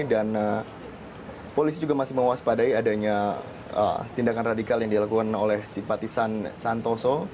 dan polisi juga masih mewaspadai adanya tindakan radikal yang dilakukan oleh si patisan santoso